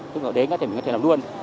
tức là đến thì mình có thể làm luôn